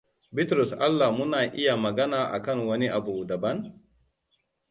Bitrus Allah muna iya magana akan wani abu daban?